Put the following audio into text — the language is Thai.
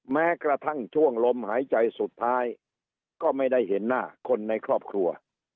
แม้กระทั่งช่วงลมหายใจสุดท้ายก็ไม่ได้เห็นหน้าคนในครอบครัว